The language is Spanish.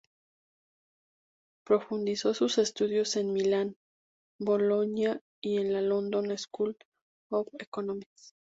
Profundizó sus estudios en Milán, Bolonia y en la London School of Economics.